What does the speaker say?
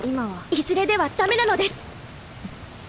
いずれではダメなのです！